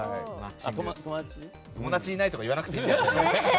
いないとか言わなくていい。